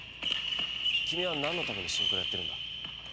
君は何のためにシンクロやってるんだ？